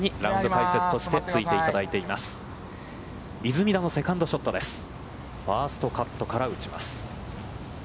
ファーストカットから打ちます。